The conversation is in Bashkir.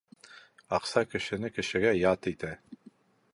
Аҡса кешене кешегә ят итә.